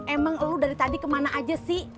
emang lo dari tadi kemana aja sih